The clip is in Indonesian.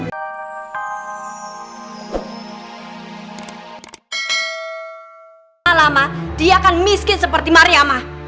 lama lama dia kan miskin seperti mariamah